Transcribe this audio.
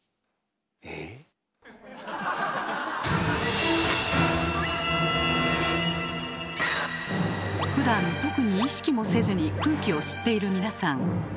えぇ⁉ふだん特に意識もせずに空気を吸っている皆さん。